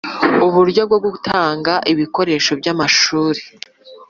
Uburyo bwo gutanga ibikoresho byamashuri